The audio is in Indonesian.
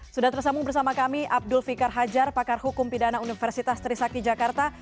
sudah tersambung bersama kami abdul fikar hajar pakar hukum pidana universitas trisakti jakarta